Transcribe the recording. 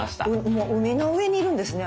もう海の上にいるんですね